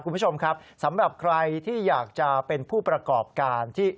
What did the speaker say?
คุณผู้ชมครับสำหรับใครที่อยากจะเป็นผู้ประกอบการที่